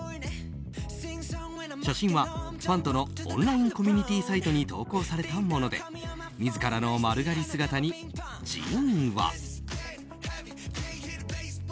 写真はファンとのオンラインコミュニティーサイトに投稿されたもので自らの丸刈り姿にＪＩＮは。